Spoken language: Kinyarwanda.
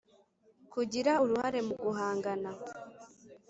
Kugira uruhare mu guhangana